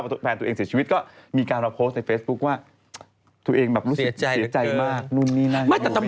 ไม่แต่ตำรวจเก่งเหมือนกันนะ